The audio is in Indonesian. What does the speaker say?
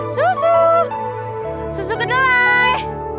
susu susu kedalai